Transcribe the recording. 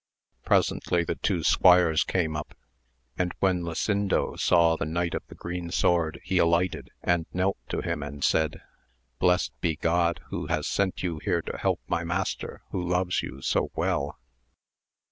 Presently the two squires came up, and when 310 AMADIS OF OAUL Lasindo saw the Knight of the Green Sword he alighted, and knelt to him and said, blessed be Grod who has sent you here to help my master who loves you so well